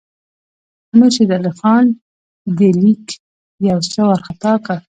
امیر شېر علي خان دې لیک یو څه وارخطا کړ.